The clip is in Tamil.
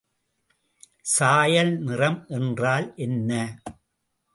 சாயல் நிறம் என்றால் என்ன?